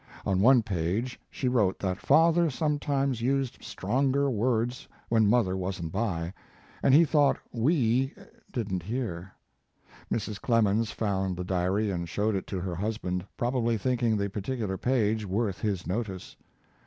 On one page she wrote that father sometimes used stronger words when mother wasn t by and he thought "we" didn t hear. Mrs. Clemens found the diary and showed it to her husband, probably thinking the particular page worth his notice.